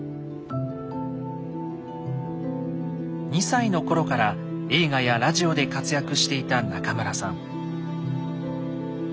２歳の頃から映画やラジオで活躍していた中村さん。